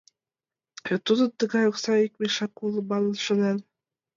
«Вет тудын тыгай окса ик мешак уло! — манын шонен.